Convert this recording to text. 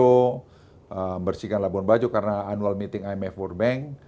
membersihkan labuan bajo karena annual meeting imf world bank